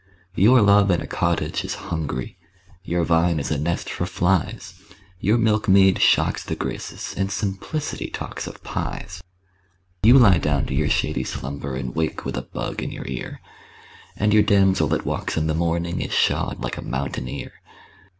Your love in a cottage is hungry, Your vine is a nest for flies Your milkmaid shocks the Graces, And simplicity talks of pies! You lie down to your shady slumber And wake with a bug in your ear, And your damsel that walks in the morning Is shod like a mountaineer.